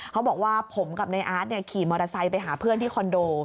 เขาบอกว่าผมกับในอาร์ตขี่มอเตอร์ไซค์ไปหาเพื่อนที่คอนโด